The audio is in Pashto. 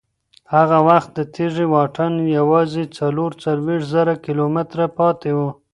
هغه وخت د تېږې واټن یوازې څلور څلوېښت زره کیلومتره پاتې و.